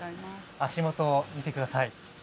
足元を見てください。